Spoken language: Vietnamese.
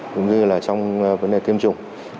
cũng như là trong vấn đề kiêm chủng